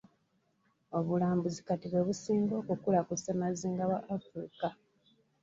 Obulambuzi kati bwe businga okukula ku ssemazinga wa Africa.